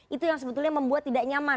itu yang sebetulnya membuat tidak nyaman